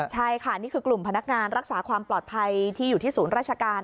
ใช่ค่ะนี่คือกลุ่มพนักงานรักษาความปลอดภัยที่อยู่ที่ศูนย์ราชการ